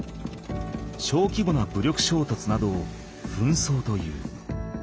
小規模な武力衝突などを紛争という。